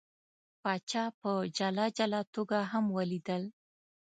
پاچا په جلا جلا توګه هم ولیدل.